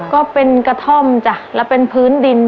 ก็เป็นกระท่อมจ้ะแล้วเป็นพื้นดิน